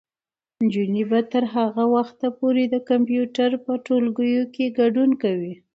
نجونې به تر هغه وخته پورې د کمپیوټر په ټولګیو کې ګډون کوي.